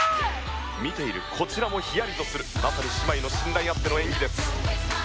見ているこちらもヒヤリとするまさに姉妹の信頼あっての演技です。